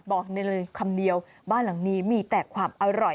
บอกได้เลยคำเดียวบ้านหลังนี้มีแต่ความอร่อย